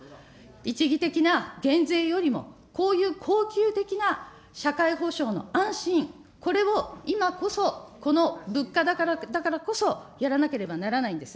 一時的な減税よりも、こういう恒久的な社会保障の安心、これを今こそこの物価高だからこそやらなければならないんです。